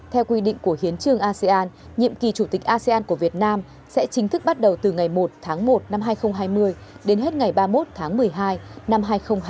theo quy định của hiến trương asean nhiệm kỳ chủ tịch asean của việt nam sẽ chính thức bắt đầu từ ngày một tháng một năm hai nghìn hai mươi đến hết ngày ba mươi một tháng một mươi hai năm hai nghìn hai mươi